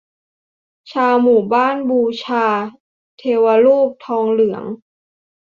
ชาวหมู่บ้านบูชาเทวรูปทองเหลือง